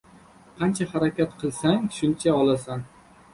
• Qancha harakat qilsang, shuncha olasan.